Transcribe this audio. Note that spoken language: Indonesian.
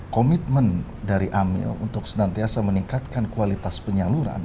komitmen dari amil untuk senantiasa meningkatkan kualitas penyaluran